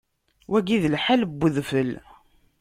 Wagi d lḥal n udfel.